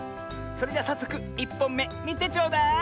それじゃさっそく１ぽんめみてちょうだい！